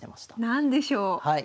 何でしょう？